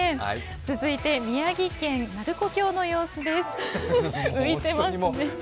続いて宮城県鳴子峡の様子です。